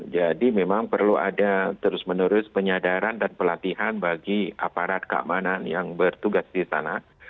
jadi memang perlu ada terus menerus penyadaran dan pelatihan bagi aparat keamanan yang bertugas di sana